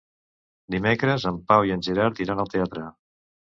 Dimecres en Pau i en Gerard iran al teatre.